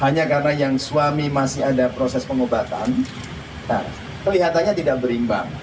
hanya karena yang suami masih ada proses pengobatan kelihatannya tidak berimbang